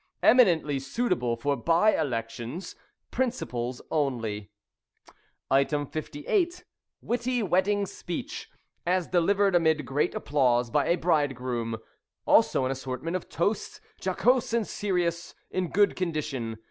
Eminently suitable for bye elections. Principals only. 58. Witty wedding speech, as delivered amid great applause by a bridegroom. Also an assortment of toasts, jocose and serious, in good condition.